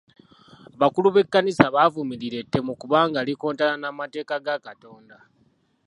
Abakulu b'ekkanisa bavumirira ettemu kubanga likontana n'amateeka ga Katonda.